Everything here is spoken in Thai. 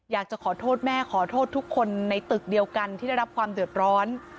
อยากจะขอโทษแม่ขอโทษทุกคนในตึกเดียวกันที่ได้รับความเดือดร้อน